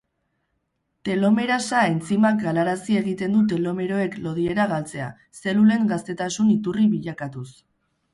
Telomerasa entzimak galarazi egiten du telomeroek lodiera galtzea, zelulen gaztetasun iturri bilakatuz.